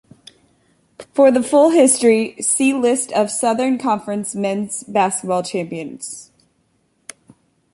For the full history, see List of Southern Conference men's basketball champions.